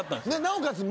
なおかつ